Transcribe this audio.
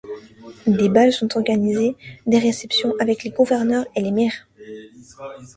Des bals sont organisés, des réceptions avec les gouverneurs et les maires.